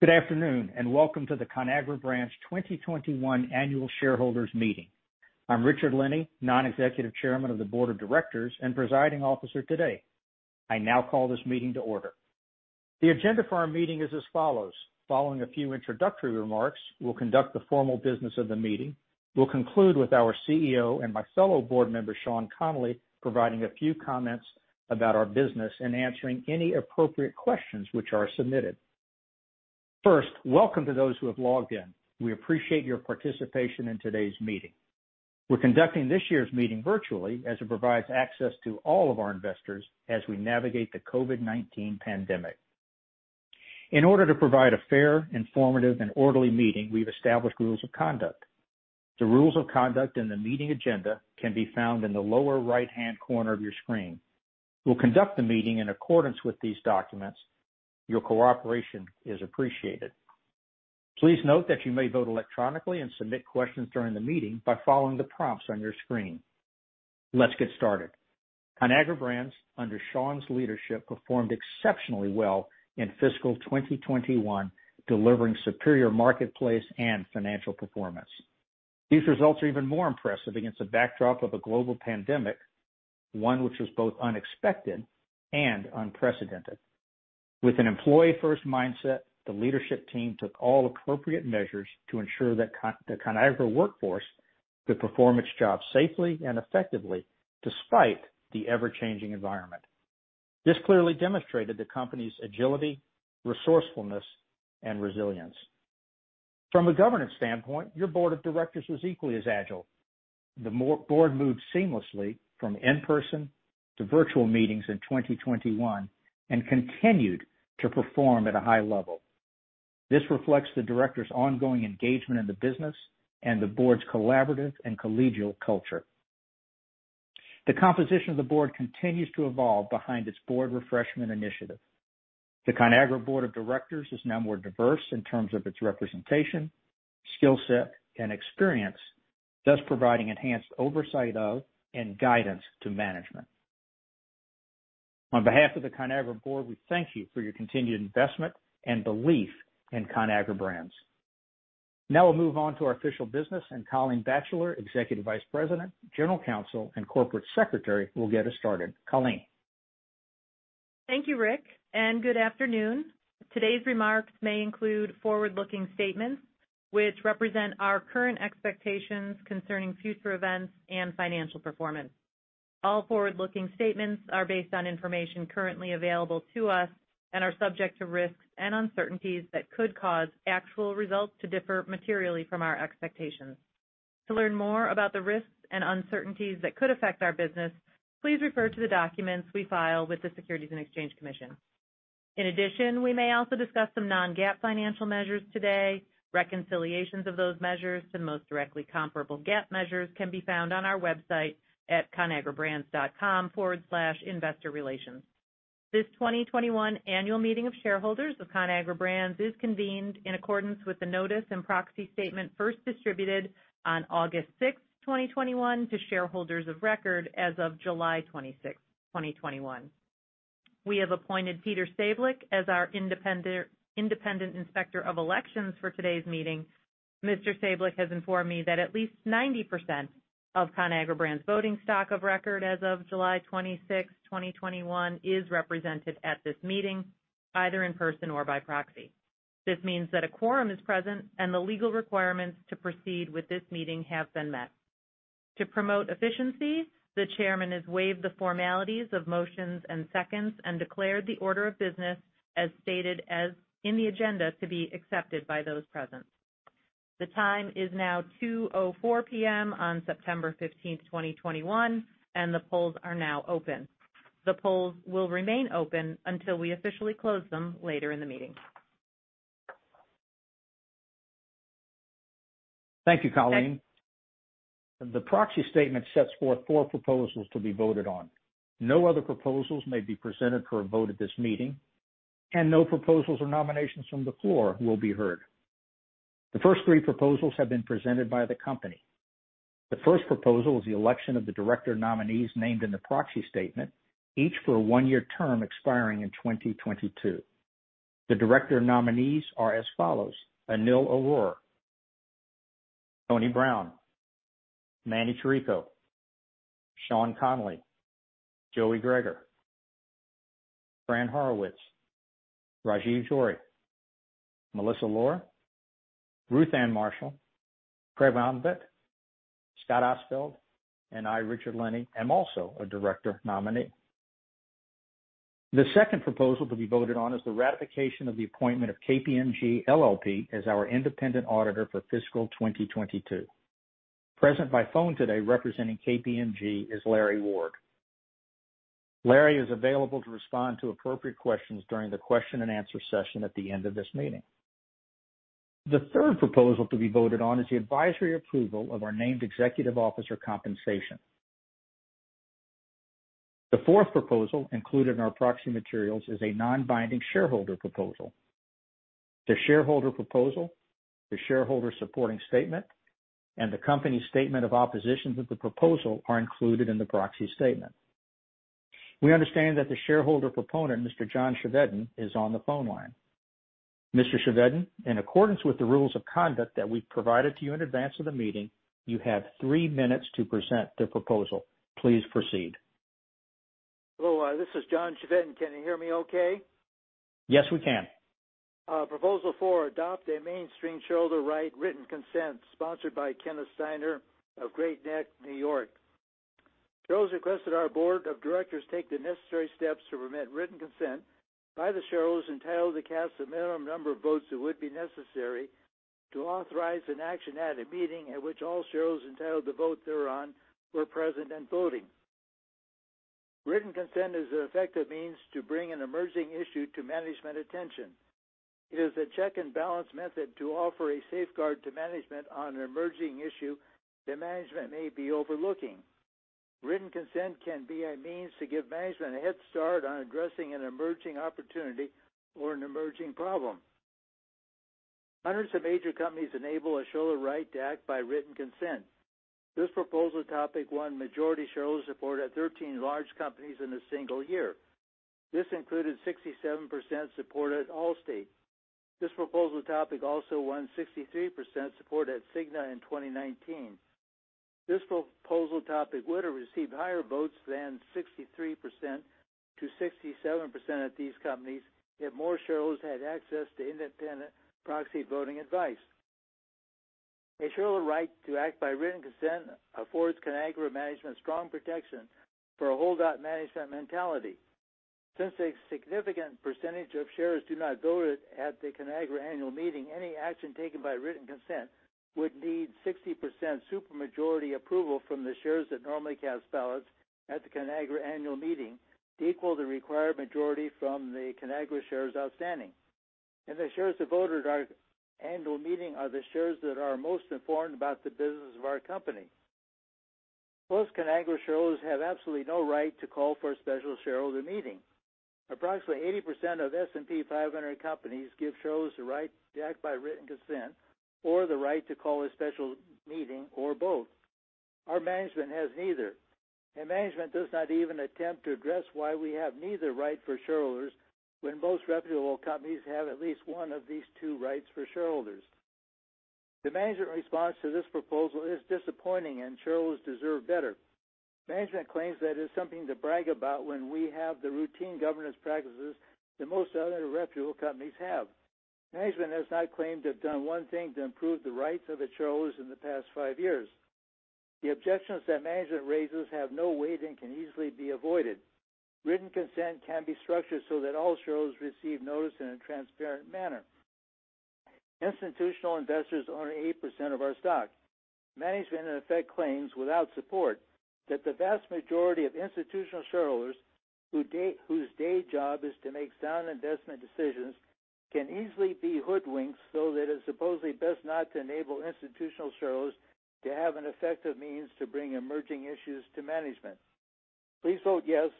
Good afternoon and welcome to the Conagra Brands 2021 Annual Shareholders Meeting. I'm Richard Lenny, Non-executive Chairman of the Board of Directors and presiding officer today. I now call this meeting to order. The agenda for our meeting is as follows: following a few introductory remarks, we'll conduct the formal business of the meeting. We'll conclude with our CEO and my fellow board member, Sean Connolly, providing a few comments about our business and answering any appropriate questions which are submitted. First, welcome to those who have logged in. We appreciate your participation in today's meeting. We're conducting this year's meeting virtually as it provides access to all of our investors as we navigate the COVID-19 pandemic. In order to provide a fair, informative, and orderly meeting, we've established rules of conduct. The rules of conduct and the meeting agenda can be found in the lower right-hand corner of your screen. We'll conduct the meeting in accordance with these documents. Your cooperation is appreciated. Please note that you may vote electronically and submit questions during the meeting by following the prompts on your screen. Let's get started. Conagra Brands, under Sean's leadership, performed exceptionally well in fiscal 2021, delivering superior marketplace and financial performance. These results are even more impressive against the backdrop of a global pandemic, one which was both unexpected and unprecedented. With an employee-first mindset, the leadership team took all appropriate measures to ensure that the Conagra workforce could perform its job safely and effectively despite the ever-changing environment. This clearly demonstrated the company's agility, resourcefulness, and resilience. From a governance standpoint, your Board of Directors was equally as agile. The board moved seamlessly from in-person to virtual meetings in 2021 and continued to perform at a high level. This reflects the directors' ongoing engagement in the business and the board's collaborative and collegial culture. The composition of the board continues to evolve behind its board refreshment initiative. The Conagra Board of Directors is now more diverse in terms of its representation, skill set, and experience, thus providing enhanced oversight of and guidance to management. On behalf of the Conagra board, we thank you for your continued investment and belief in Conagra Brands. Now we'll move on to our official business, and Colleen Batchelor, Executive Vice President, General Counsel, and Corporate Secretary, will get us started. Colleen. Thank you, Rick, and good afternoon. Today's remarks may include forward-looking statements which represent our current expectations concerning future events and financial performance. All forward-looking statements are based on information currently available to us and are subject to risks and uncertainties that could cause actual results to differ materially from our expectations. To learn more about the risks and uncertainties that could affect our business, please refer to the documents we file with the Securities and Exchange Commission. In addition, we may also discuss some non-GAAP financial measures today. Reconciliations of those measures to the most directly comparable GAAP measures can be found on our website at conagrabrands.com/investor-relations. This 2021 Annual Meeting of Shareholders of Conagra Brands is convened in accordance with the notice and Proxy Statement first distributed on August 6, 2021, to shareholders of record as of July 26, 2021. We have appointed Peter Sabolich as our independent inspector of elections for today's meeting. Mr. Sabolich has informed me that at least 90% of Conagra Brands' voting stock of record as of July 26, 2021, is represented at this meeting either in person or by proxy. This means that a quorum is present and the legal requirements to proceed with this meeting have been met. To promote efficiency, the chairman has waived the formalities of motions and seconds and declared the order of business as stated in the agenda to be accepted by those present. The time is now 2:04 P.M. on September 15, 2021, and the polls are now open. The polls will remain open until we officially close them later in the meeting. Thank you, Colleen. The proxy statement sets forth four proposals to be voted on. No other proposals may be presented for a vote at this meeting, and no proposals or nominations from the floor will be heard. The first three proposals have been presented by the company. The first proposal is the election of the director nominees named in the proxy statement, each for a one-year term expiring in 2022. The director nominees are as follows: Anil Arora, Tony Brown, Manny Chirico, Sean Connolly, Joie Gregor, Fran Horowitz, Rajive Johri, Melissa Lora, Ruth Ann Marshall, Craig Omtvedt, Scott Ostfeld, and I, Richard Lenny, am also a director nominee. The second proposal to be voted on is the ratification of the appointment of KPMG LLP as our independent auditor for fiscal 2022. Present by phone today representing KPMG is Larry Ward. Larry is available to respond to appropriate questions during the question-and-answer session at the end of this meeting. The third proposal to be voted on is the advisory approval of our named executive officer compensation. The fourth proposal included in our proxy materials is a non-binding shareholder proposal. The shareholder proposal, the shareholder supporting statement, and the company's statement of opposition to the proposal are included in the proxy statement. We understand that the shareholder proponent, Mr. John Chevedden, is on the phone line. Mr. Chevedden, in accordance with the rules of conduct that we've provided to you in advance of the meeting, you have three minutes to present the proposal. Please proceed. Hello. This is John Chevedden. Can you hear me okay? Yes, we can. Proposal four: Adopt a Mainstream Shareholder Right to Written Consent sponsored by Kenneth Steiner of Great Neck, New York. Shareholders request that our Board of Directors take the necessary steps to permit written consent by the shareholders entitled to cast a minimum number of votes that would be necessary to authorize an action at a meeting at which all shareholders entitled to vote thereon were present and voting. Written consent is an effective means to bring an emerging issue to management attention. It is a check-and-balance method to offer a safeguard to management on an emerging issue that management may be overlooking. Written consent can be a means to give management a head start on addressing an emerging opportunity or an emerging problem. Hundreds of major companies enable a shareholder right to act by written consent. This proposal topic won majority shareholder support at 13 large companies in a single year. This included 67% support at Allstate. This proposal topic also won 63% support at Cigna in 2019. This proposal topic would have received higher votes than 63%-67% at these companies if more shareholders had access to independent proxy voting advice. A shareholder right to act by written consent affords Conagra management strong protection for a holdout management mentality. Since a significant percentage of shares do not vote at the Conagra Annual Meeting, any action taken by written consent would need 60% supermajority approval from the shares that normally cast ballots at the Conagra Annual Meeting to equal the required majority from the Conagra shares outstanding, and the shares that voted at our Annual Meeting are the shares that are most informed about the business of our company. Most Conagra shareholders have absolutely no right to call for a special shareholder meeting. Approximately 80% of S&P 500 companies give shareholders the right to act by written consent or the right to call a special meeting or both. Our management has neither, and management does not even attempt to address why we have neither right for shareholders when most reputable companies have at least one of these two rights for shareholders. The management response to this proposal is disappointing, and shareholders deserve better. Management claims that it is something to brag about when we have the routine governance practices that most other reputable companies have. Management has not claimed to have done one thing to improve the rights of its shareholders in the past five years. The objections that management raises have no weight and can easily be avoided. Written consent can be structured so that all shareholders receive notice in a transparent manner. Institutional investors own 80% of our stock. Management, in effect, claims without support that the vast majority of institutional shareholders whose day job is to make sound investment decisions can easily be hoodwinked so that it's supposedly best not to enable institutional shareholders to have an effective means to bring emerging issues to management. Please vote yes,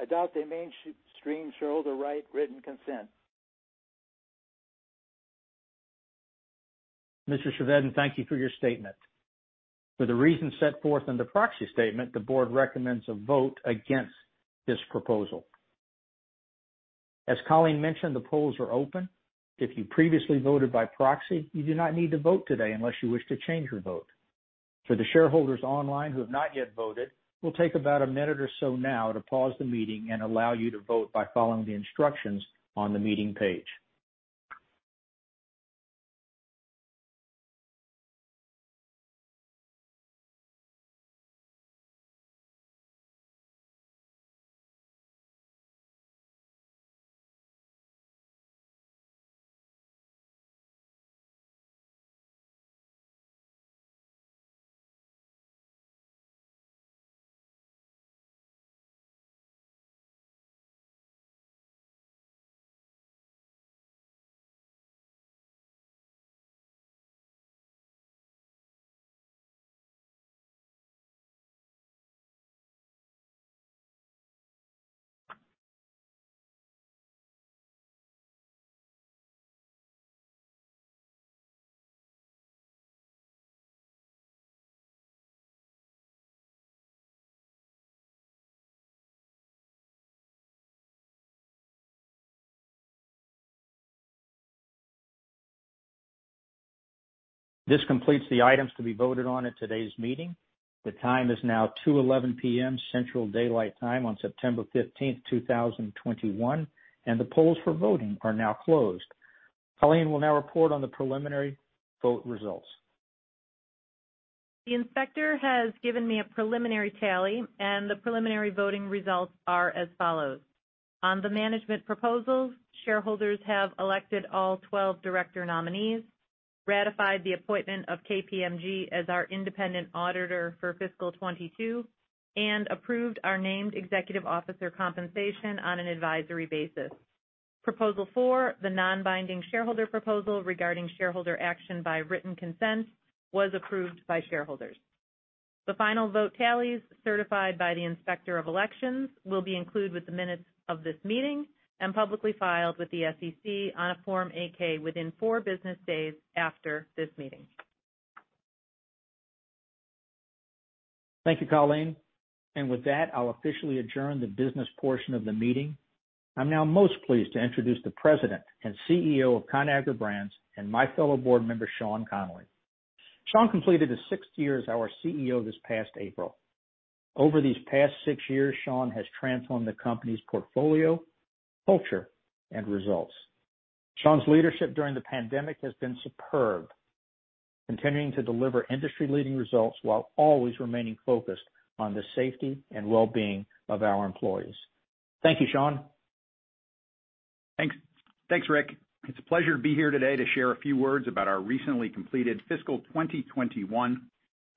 adopt a mainstream shareholder right to written consent. Mr. Chevedden, thank you for your statement. For the reasons set forth in the proxy statement, the board recommends a vote against this proposal. As Colleen mentioned, the polls are open. If you previously voted by proxy, you do not need to vote today unless you wish to change your vote. For the shareholders online who have not yet voted, we'll take about a minute or so now to pause the meeting and allow you to vote by following the instructions on the meeting page. This completes the items to be voted on at today's meeting. The time is now 2:11 P.M. Central Daylight Time on September 15, 2021, and the polls for voting are now closed. Colleen will now report on the preliminary vote results. The inspector has given me a preliminary tally, and the preliminary voting results are as follows. On the management proposals, shareholders have elected all 12 director nominees, ratified the appointment of KPMG as our independent auditor for fiscal 2022, and approved our Named Executive Officer compensation on an advisory basis. Proposal four, the non-binding shareholder proposal regarding shareholder action by written consent, was approved by shareholders. The final vote tallies, certified by the inspector of elections, will be included with the minutes of this meeting and publicly filed with the SEC on a Form 8-K within four business days after this meeting. Thank you, Colleen. And with that, I'll officially adjourn the business portion of the meeting. I'm now most pleased to introduce the President and CEO of Conagra Brands and my fellow board member, Sean Connolly. Sean completed his sixth year as our CEO this past April. Over these past six years, Sean has transformed the company's portfolio, culture, and results. Sean's leadership during the pandemic has been superb, continuing to deliver industry-leading results while always remaining focused on the safety and well-being of our employees. Thank you, Sean. Thanks, Rick. It's a pleasure to be here today to share a few words about our recently completed fiscal 2021.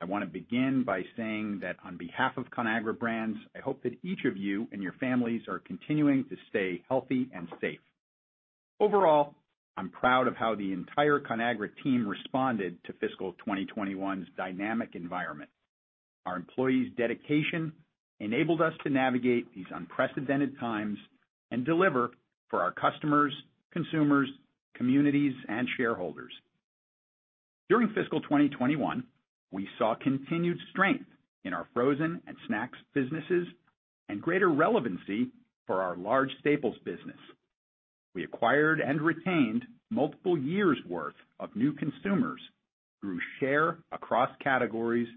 I want to begin by saying that on behalf of Conagra Brands, I hope that each of you and your families are continuing to stay healthy and safe. Overall, I'm proud of how the entire Conagra team responded to fiscal 2021's dynamic environment. Our employees' dedication enabled us to navigate these unprecedented times and deliver for our customers, consumers, communities, and shareholders. During fiscal 2021, we saw continued strength in our frozen and snacks businesses and greater relevancy for our large staples business. We acquired and retained multiple years' worth of new consumers, grew share across categories,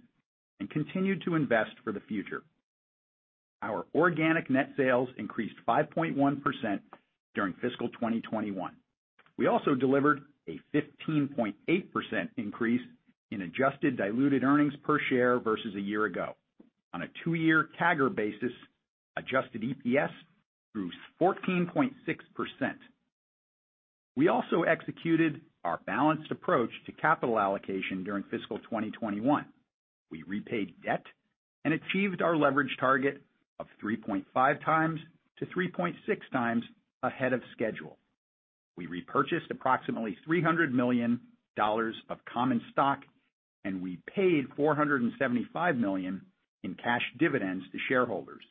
and continued to invest for the future. Our organic net sales increased 5.1% during fiscal 2021. We also delivered a 15.8% increase in adjusted diluted earnings per share versus a year ago. On a two-year CAGR basis, adjusted EPS grew 14.6%. We also executed our balanced approach to capital allocation during fiscal 2021. We repaid debt and achieved our leverage target of 3.5-3.6 times ahead of schedule. We repurchased approximately $300 million of common stock, and we paid $475 million in cash dividends to shareholders.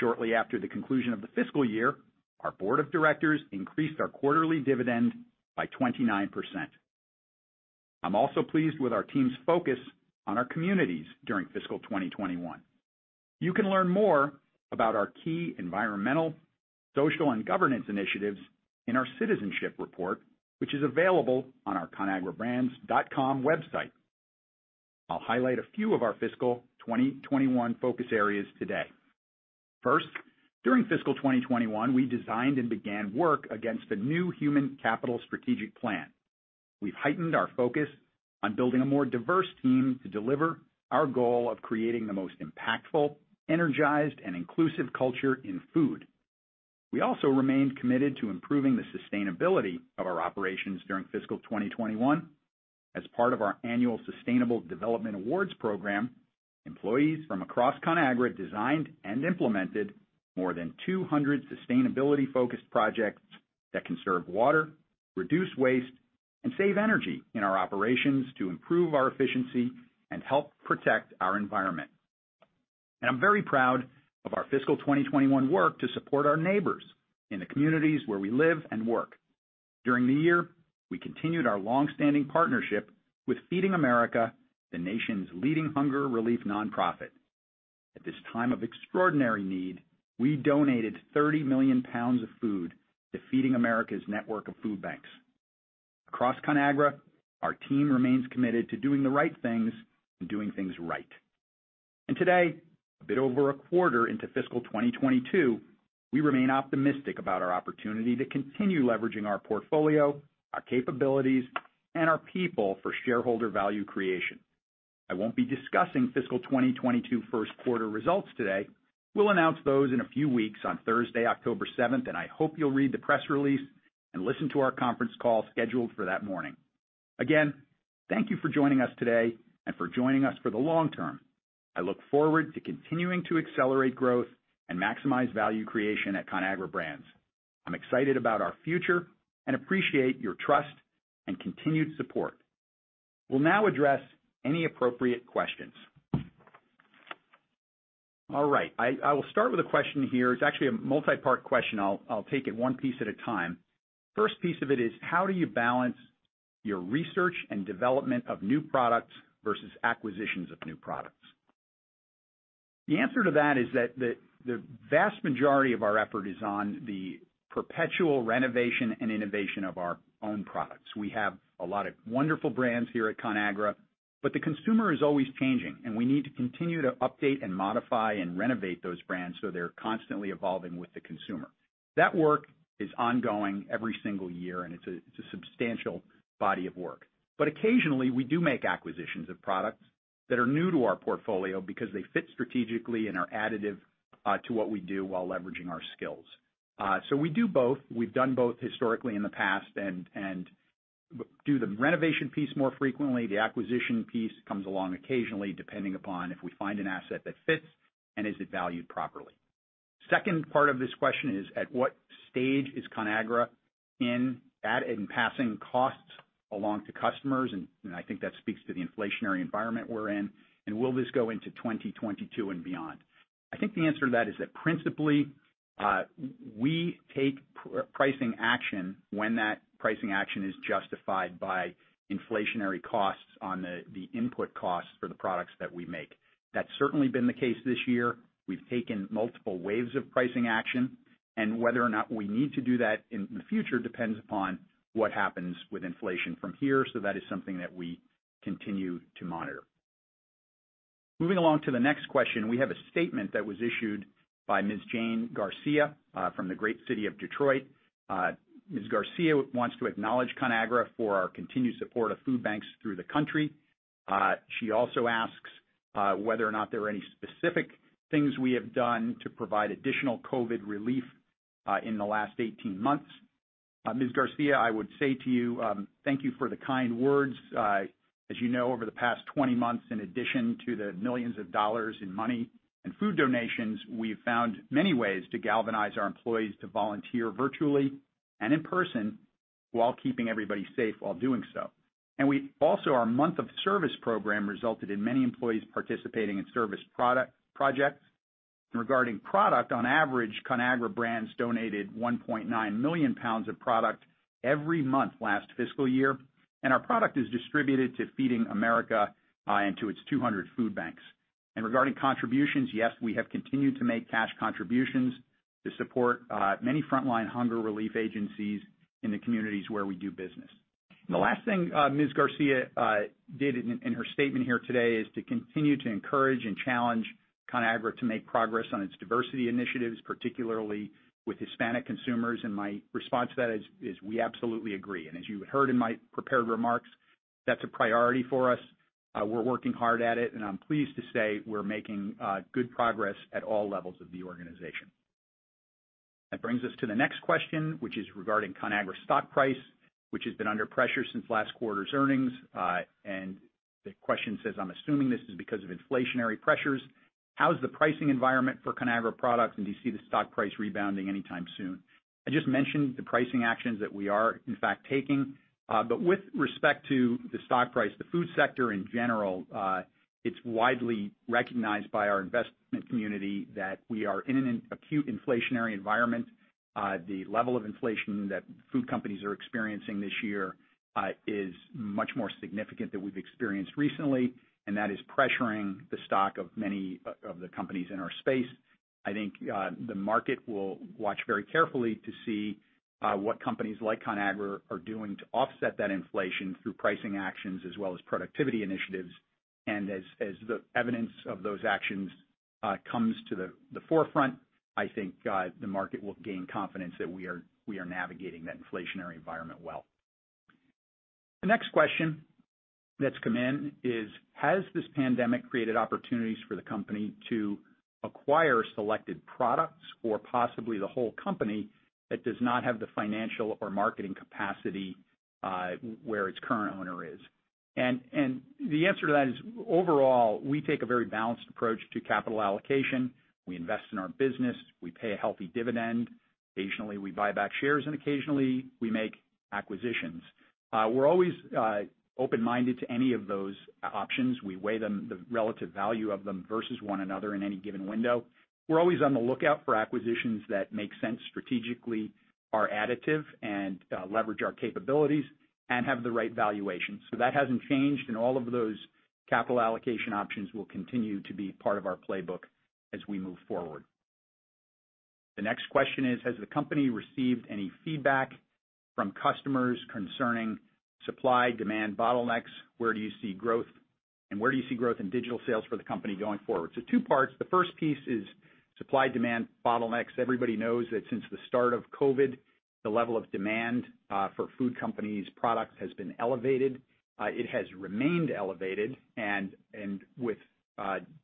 Shortly after the conclusion of the fiscal year, our board of directors increased our quarterly dividend by 29%. I'm also pleased with our team's focus on our communities during fiscal 2021. You can learn more about our key environmental, social, and governance initiatives in our Citizenship Report, which is available on our conagrabrands.com website. I'll highlight a few of our fiscal 2021 focus areas today. First, during fiscal 2021, we designed and began work against a new human capital strategic plan. We've heightened our focus on building a more diverse team to deliver our goal of creating the most impactful, energized, and inclusive culture in food. We also remained committed to improving the sustainability of our operations during fiscal 2021. As part of our annual Sustainable Development Awards program, employees from across Conagra designed and implemented more than 200 sustainability-focused projects that conserve water, reduce waste, and save energy in our operations to improve our efficiency and help protect our environment. And I'm very proud of our fiscal 2021 work to support our neighbors in the communities where we live and work. During the year, we continued our longstanding partnership with Feeding America, the nation's leading hunger relief nonprofit. At this time of extraordinary need, we donated 30 million pounds of food to Feeding America's network of food banks. Across Conagra, our team remains committed to doing the right things and doing things right, and today, a bit over a quarter into fiscal 2022, we remain optimistic about our opportunity to continue leveraging our portfolio, our capabilities, and our people for shareholder value creation. I won't be discussing fiscal 2022 first quarter results today. We'll announce those in a few weeks on Thursday, October 7, and I hope you'll read the press release and listen to our conference call scheduled for that morning. Again, thank you for joining us today and for joining us for the long term. I look forward to continuing to accelerate growth and maximize value creation at Conagra Brands. I'm excited about our future and appreciate your trust and continued support. We'll now address any appropriate questions. All right. I will start with a question here. It's actually a multi-part question. I'll take it one piece at a time. First piece of it is, how do you balance your research and development of new products versus acquisitions of new products? The answer to that is that the vast majority of our effort is on the perpetual renovation and innovation of our own products. We have a lot of wonderful brands here at Conagra, but the consumer is always changing, and we need to continue to update and modify and renovate those brands so they're constantly evolving with the consumer. That work is ongoing every single year, and it's a substantial body of work. But occasionally, we do make acquisitions of products that are new to our portfolio because they fit strategically and are additive to what we do while leveraging our skills. So we do both. We've done both historically in the past and do the renovation piece more frequently. The acquisition piece comes along occasionally, depending upon if we find an asset that fits and is valued properly. Second part of this question is, at what stage is Conagra in passing costs along to customers? And I think that speaks to the inflationary environment we're in. And will this go into 2022 and beyond? I think the answer to that is that principally, we take pricing action when that pricing action is justified by inflationary costs on the input costs for the products that we make. That's certainly been the case this year. We've taken multiple waves of pricing action, and whether or not we need to do that in the future depends upon what happens with inflation from here. So that is something that we continue to monitor. Moving along to the next question, we have a statement that was issued by Ms. Jane Garcia from the great city of Detroit. Ms. Garcia wants to acknowledge Conagra for our continued support of food banks throughout the country. She also asks whether or not there are any specific things we have done to provide additional COVID relief in the last 18 months. Ms. Garcia, I would say to you, thank you for the kind words. As you know, over the past 20 months, in addition to the millions of dollars in money and food donations, we've found many ways to galvanize our employees to volunteer virtually and in person while keeping everybody safe while doing so. And we also, our Month of Service program resulted in many employees participating in service projects. Regarding product, on average, Conagra Brands donated 1.9 million pounds of product every month last fiscal year, and our product is distributed to Feeding America and to its 200 food banks. And regarding contributions, yes, we have continued to make cash contributions to support many frontline hunger relief agencies in the communities where we do business. And the last thing Ms. Garcia did in her statement here today is to continue to encourage and challenge Conagra to make progress on its diversity initiatives, particularly with Hispanic consumers. And my response to that is we absolutely agree. And as you heard in my prepared remarks, that's a priority for us. We're working hard at it, and I'm pleased to say we're making good progress at all levels of the organization. That brings us to the next question, which is regarding Conagra's stock price, which has been under pressure since last quarter's earnings. And the question says, "I'm assuming this is because of inflationary pressures. How's the pricing environment for Conagra products, and do you see the stock price rebounding anytime soon?" I just mentioned the pricing actions that we are, in fact, taking. But with respect to the stock price, the food sector in general, it's widely recognized by our investment community that we are in an acute inflationary environment. The level of inflation that food companies are experiencing this year is much more significant than we've experienced recently, and that is pressuring the stock of many of the companies in our space. I think the market will watch very carefully to see what companies like Conagra are doing to offset that inflation through pricing actions as well as productivity initiatives. And as the evidence of those actions comes to the forefront, I think the market will gain confidence that we are navigating that inflationary environment well. The next question that's come in is, has this pandemic created opportunities for the company to acquire selected products or possibly the whole company that does not have the financial or marketing capacity where its current owner is? And the answer to that is, overall, we take a very balanced approach to capital allocation. We invest in our business. We pay a healthy dividend. Occasionally, we buy back shares, and occasionally, we make acquisitions. We're always open-minded to any of those options. We weigh the relative value of them versus one another in any given window. We're always on the lookout for acquisitions that make sense strategically, are additive, and leverage our capabilities, and have the right valuation. So that hasn't changed, and all of those capital allocation options will continue to be part of our playbook as we move forward. The next question is, has the company received any feedback from customers concerning supply-demand bottlenecks? Where do you see growth? And where do you see growth in digital sales for the company going forward? So two parts. The first piece is supply-demand bottlenecks. Everybody knows that since the start of COVID, the level of demand for food companies' products has been elevated. It has remained elevated, and with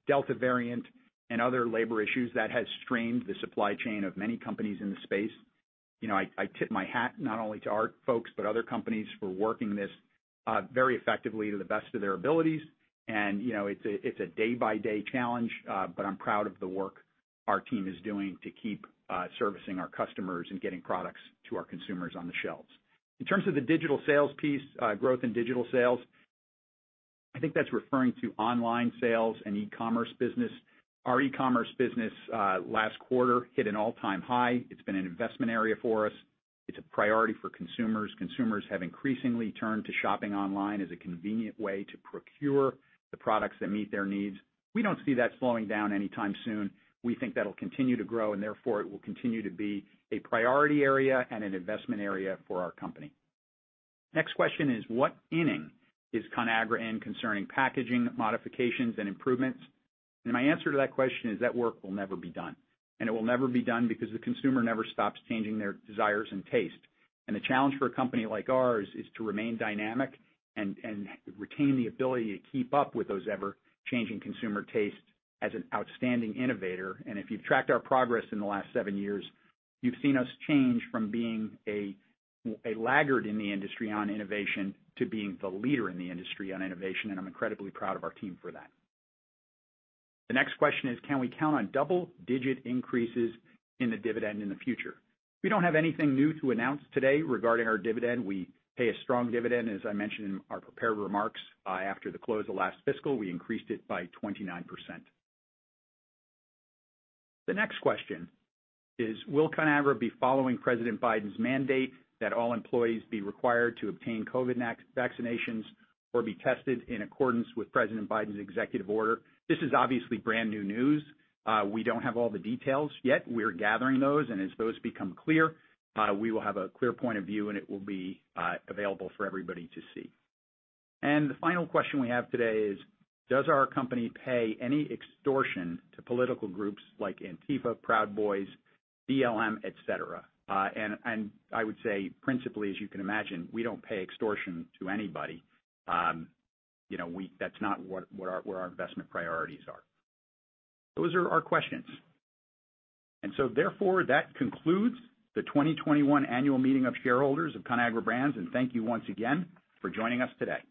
Delta variant and other labor issues, that has strained the supply chain of many companies in the space. I tip my hat not only to our folks, but other companies for working this very effectively to the best of their abilities. And it's a day-by-day challenge, but I'm proud of the work our team is doing to keep servicing our customers and getting products to our consumers on the shelves. In terms of the digital sales piece, growth in digital sales, I think that's referring to online sales and e-commerce business. Our e-commerce business last quarter hit an all-time high. It's been an investment area for us. It's a priority for consumers. Consumers have increasingly turned to shopping online as a convenient way to procure the products that meet their needs. We don't see that slowing down anytime soon. We think that'll continue to grow, and therefore, it will continue to be a priority area and an investment area for our company. Next question is, what inning is Conagra in concerning packaging modifications and improvements? And my answer to that question is that work will never be done. And it will never be done because the consumer never stops changing their desires and taste. And the challenge for a company like ours is to remain dynamic and retain the ability to keep up with those ever-changing consumer tastes as an outstanding innovator. And if you've tracked our progress in the last seven years, you've seen us change from being a laggard in the industry on innovation to being the leader in the industry on innovation, and I'm incredibly proud of our team for that. The next question is, can we count on double-digit increases in the dividend in the future? We don't have anything new to announce today regarding our dividend. We pay a strong dividend, as I mentioned in our prepared remarks after the close of last fiscal. We increased it by 29%. The next question is, will Conagra be following President Biden's mandate that all employees be required to obtain COVID vaccinations or be tested in accordance with President Biden's executive order? This is obviously brand new news. We don't have all the details yet. We're gathering those, and as those become clear, we will have a clear point of view, and it will be available for everybody to see. And the final question we have today is, does our company pay any extortion to political groups like Antifa, Proud Boys, BLM, etc.? And I would say, principally, as you can imagine, we don't pay extortion to anybody. That's not where our investment priorities are. Those are our questions. And so therefore, that concludes the 2021 annual meeting of shareholders of Conagra Brands, and thank you once again for joining us today.